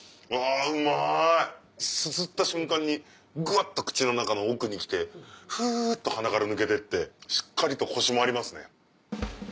すすった瞬間にグッと口の中の奥にきてふっと鼻から抜けてってしっかりとコシもありますね。